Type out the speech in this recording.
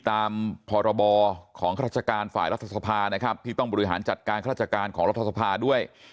ตามพรบของข้าราชการฝ่ายรัฐสภานะครับที่ต้องบริหารจัดการราชการของรัฐสภาด้วย